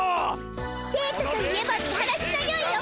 デートといえば見晴らしのよいおか！